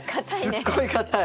すっごいかたい！